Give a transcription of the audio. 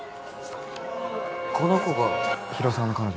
この子が広沢の彼女？